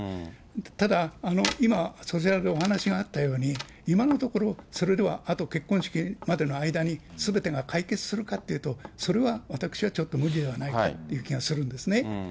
ただ、今、そちらでお話があったように、今のところ、それではあと結婚式までの間にすべてが解決するかっていうと、それは私はちょっと無理ではないかっていう気がするんですね。